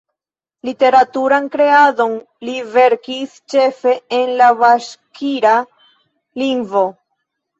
Literaturan kreadon li verkis ĉefe en la baŝkira lingvo.